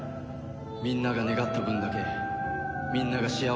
みんなが願った分だけみんなが幸せになれる。